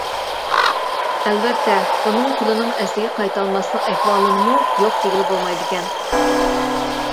ئەلۋەتتە، ئۇنىڭ قولىنىڭ ئەسلىگە قايتالماسلىق ئەھۋالىنىمۇ يوق دېگىلى بولمايدىكەن.